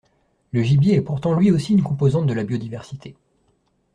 Le gibier est pourtant lui aussi une composante de la biodiversité.